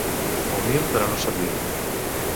Humil, però no servil.